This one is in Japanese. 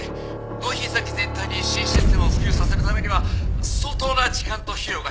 納品先全体に新システムを普及させるためには相当な時間と費用が必要でして。